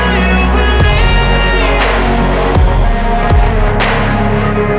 aku mau ngeliatin apaan